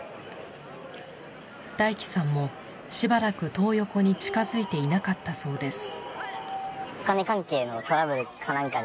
ダイキさんもしばらくトー横に近づいていなかったそうです。